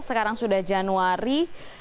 sekarang sudah januari